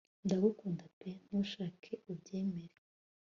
Ndagukunda pe ntushake ubyemere